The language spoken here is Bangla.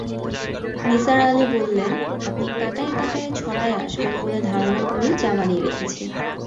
নিসার আলি বললেন, আপনি কাঁটায়-কাঁটায় ছটায় আসবেন বলে ধারণা করেই চা বানিয়ে রেখেছি।